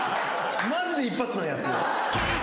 マジで一発なんやっていう。